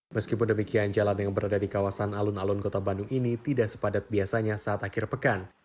meskipun demikian jalan yang berada di kawasan alun alun kota bandung ini tidak sepadat biasanya saat akhir pekan